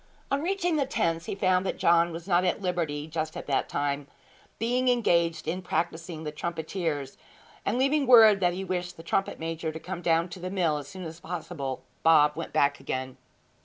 On reaching the tents he found that John was not at liberty just at that time, being engaged in practising the trumpeters; and leaving word that he wished the trumpet major to come down to the mill as soon as possible, Bob went back again.